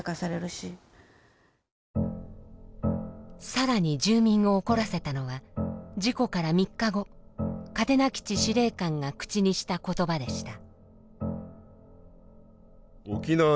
更に住民を怒らせたのは事故から３日後嘉手納基地司令官が口にした言葉でした。